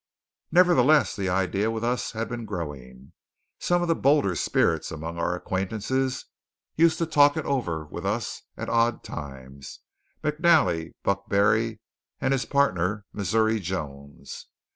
Nevertheless the idea with us had been growing. Some of the bolder spirits among our acquaintances used to talk it over with us at odd times McNally, Buck Barry, and his partner, Missouri Jones.